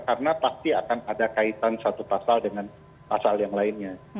karena pasti akan ada kaitan satu pasal dengan pasal yang lainnya